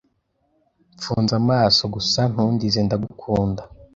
Mfunze amaso gusa ntundize ndagukunda